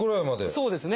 そうですね。